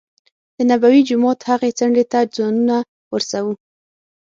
دنبوي جومات هغې څنډې ته ځانونه ورسو.